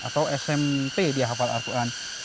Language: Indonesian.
atau smp di hafal al quran